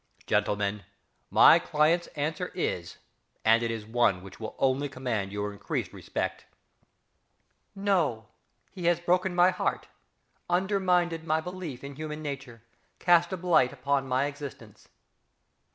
Gentlemen, my client's answer is and it is one which will only command your increased respect: "No. He has broken my heart, undermined my belief in human nature, cast a blight upon my existence.